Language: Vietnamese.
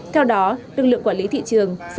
theo đó lực lượng quản lý thị trường